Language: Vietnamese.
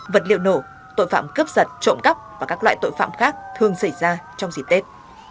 vật liệu nổ tội phạm cướp giật trộm góc và các loại tội phạm khác thường xảy ra trong dịp tết